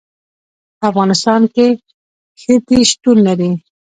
په افغانستان کې ښتې شتون لري.